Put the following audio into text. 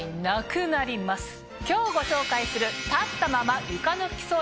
今日ご紹介する。